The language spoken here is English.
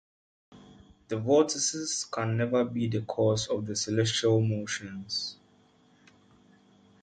The vortices can never be the cause of the celestial motions.